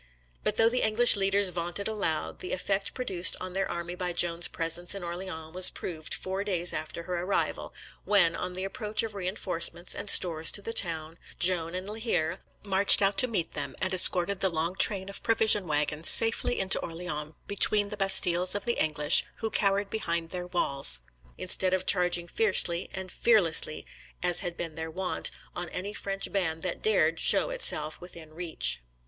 But though the English leaders vaunted aloud, the effect produced on their army by Joan's presence in Orleans, was proved four days after her arrival; when, on the approach of reinforcements and stores to the town, Joan and La Hire marched out to meet them, and escorted the long train of provision waggons safely into Orleans, between the bastilles of the English, who cowered behind their walls, instead of charging fiercely and fearlessly, as had been their wont, on any French band that dared to show itself within reach.